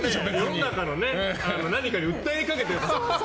世の中の何かに訴えかけて。